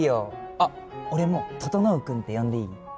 あっ俺も整君って呼んでいい？